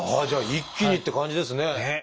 じゃあ一気にって感じですね。